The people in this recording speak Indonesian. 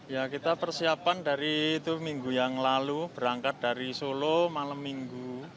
ya kita persiapan dari itu minggu yang lalu berangkat dari solo malam minggu